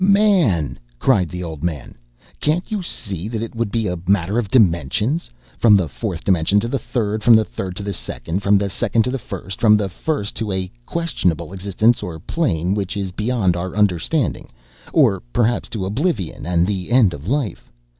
"Man," cried the old man, "can't you see that it would be a matter of dimensions? From the fourth dimension to the third, from the third to the second, from the second to the first, from the first to a questionable existence or plane which is beyond our understanding or perhaps to oblivion and the end of life.